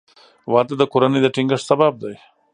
• واده د کورنۍ د ټینګښت سبب دی.